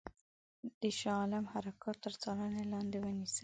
د شاه عالم حرکات تر څارني لاندي ونیسي.